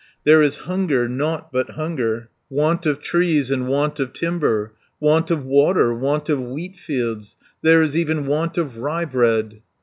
There is hunger, nought but hunger, Want of trees, and want of timber, Want of water, want of wheatfields, There is even want of ryebread."